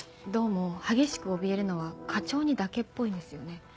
どうも激しくおびえるのは課長にだけっぽいんですよね。